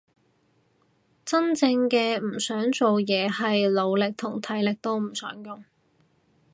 真正嘅唔想做嘢係腦力同體力都唔想用